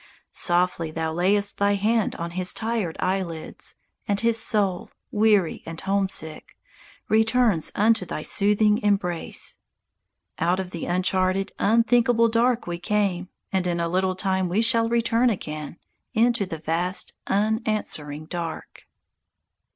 Softly thou layest thy hand on his tired eyelids, And his soul, weary and homesick, returns Unto thy soothing embrace. _Out of the uncharted, unthinkable dark we came, And in a little time we shall return again Into the vast, unanswering dark.